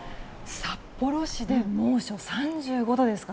札幌市で猛暑３５ですか。